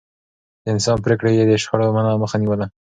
د انصاف پرېکړې يې د شخړو مخه نيوله.